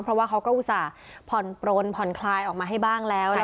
เพราะว่าเขาก็อุตส่าห์ผ่อนปลนผ่อนคลายออกมาให้บ้างแล้ว